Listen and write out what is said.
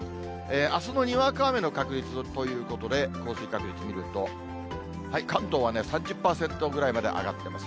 あすのにわか雨の確率ということで、降水確率見ると、関東は３０％ぐらいまで上がってます。